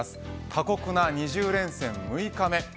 過酷な２０連戦６日目。